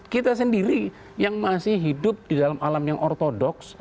kita sendiri yang masih hidup di dalam alam yang ortodoks